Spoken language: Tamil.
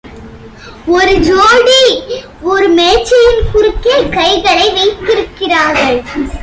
ஒரு ஜோடி ஒரு மேஜையின் குறுக்கே கைகளை வைத்திருக்கிறார்கள்.